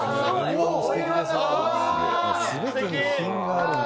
全てに品があるな。